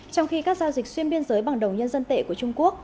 trong khi các giao dịch xuyên biên giới bằng đồng nhân dân tệ của trung quốc